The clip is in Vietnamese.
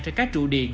trên các chủ địa